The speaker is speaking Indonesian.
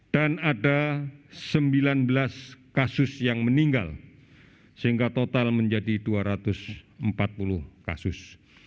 dan ada sembilan belas kasus yang meninggal sehingga total menjadi dua ratus empat puluh kasus